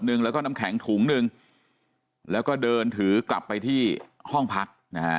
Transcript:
หนึ่งแล้วก็น้ำแข็งถุงหนึ่งแล้วก็เดินถือกลับไปที่ห้องพักนะฮะ